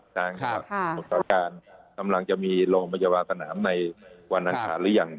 ทางการหมดต่อการสำหรับจะมีโรงพยาบาลสนามในวันอันขาดหรือยัง